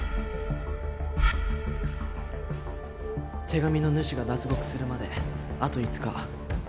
手紙の主が脱獄するまであと５日。